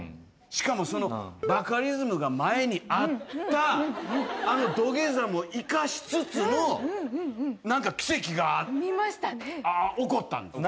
しかもバカリズムが前にあった土下座も生かしつつの奇跡が起こったんです。